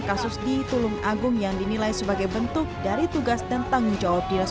kasus di tulung agung yang dinilai sebagai bentuk dari tugas dan tanggung jawab dinas